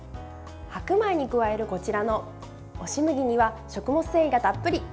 白米に加えるこちらの押し麦には食物繊維がたっぷり。